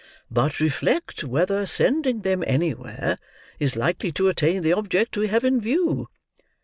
"But reflect whether sending them anywhere is likely to attain the object we have in view."